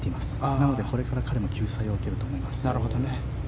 なのでこれから彼の救済を受けると思います。